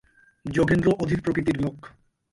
যোগেন্দ্র অধীরপ্রকৃতির লোক।